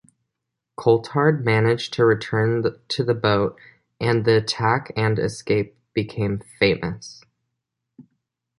Coulthard managed to return to the boat, and the attack and escape became famous.